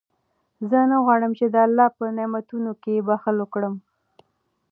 زه نه غواړم چې د الله په نعمتونو کې بخل وکړم.